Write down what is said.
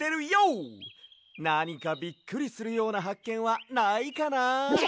なにかびっくりするようなはっけんはないかな。